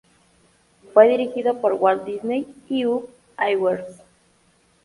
Fue dirigido por Walt Disney y Ub Iwerks.